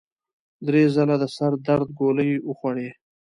درې ځله د سر د درد ګولۍ وخوړې.